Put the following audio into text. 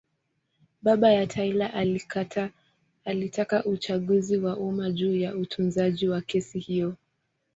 Baba ya Taylor alitaka uchunguzi wa umma juu ya utunzaji wa kesi hiyo.